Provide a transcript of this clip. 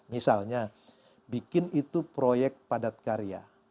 misalnya bikin itu proyek padat karya